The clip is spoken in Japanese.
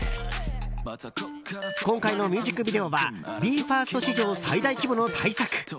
今回のミュージックビデオはＢＥ：ＦＩＲＳＴ史上最大規模の大作。